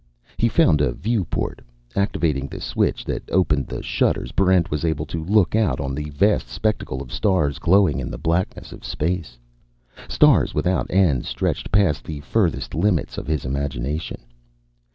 He found a viewport. Activating the switch that opened the shutters, Barrent was able to look out on the vast spectacle of stars glowing in the blackness of space. Stars without end stretched past the furthest limits of his imagination.